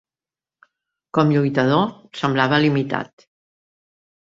Com lluitador, semblava limitat.